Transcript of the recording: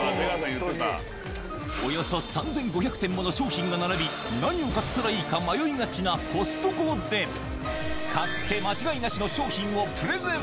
およそ３５００点もの商品が並び、何を買ったらいいか迷いがちなコストコで、買って間違いなしの商品をプレゼン。